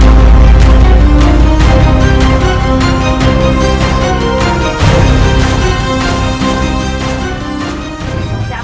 marilah kita persiapkan